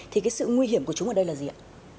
thì cái sự nguy hiểm của chúng ở đây là gì ạ